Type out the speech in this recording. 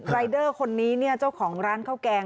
รายเดอร์คนนี้เนี่ยเจ้าของร้านข้าวแกง